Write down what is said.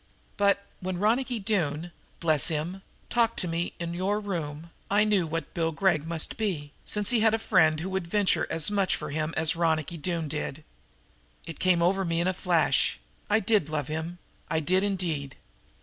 But, when Ronicky Doone bless him! talked to me in your room, I knew what Bill Gregg must be, since he had a friend who would venture as much for him as Ronicky Doone did. It all came over me in a flash. I did love him I did, indeed!"